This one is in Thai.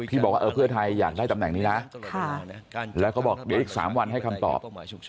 บอกว่าเพื่อไทยอยากได้ตำแหน่งนี้นะแล้วก็บอกเดี๋ยวอีก๓วันให้คำตอบ